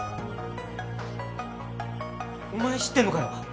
お前知ってんのかよ？